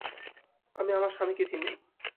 আমি আমার স্বামীকে চিনি।